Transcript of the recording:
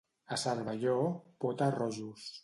A Cervelló, pota-rojos.